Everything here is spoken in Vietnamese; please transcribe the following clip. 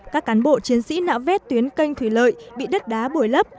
các cán bộ chiến sĩ nạo vét tuyến canh thủy lợi bị đất đá bồi lấp